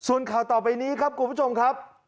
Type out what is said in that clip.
ส่วนข่าวต่อไปนี้ครับคุณผู้ชมครับ